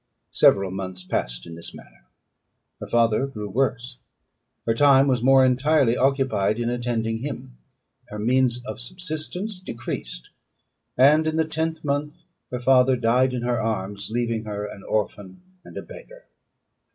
Several months passed in this manner. Her father grew worse; her time was more entirely occupied in attending him; her means of subsistence decreased; and in the tenth month her father died in her arms, leaving her an orphan and a beggar.